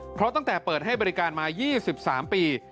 เพราะตั้งแต่เปิดให้บริการมา๒๓ปี